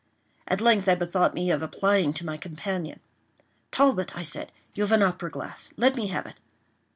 At length I bethought me of applying to my companion. "Talbot," I said, "you have an opera glass. Let me have it."